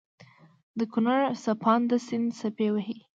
دکونړ څپانده سيند څپې وهي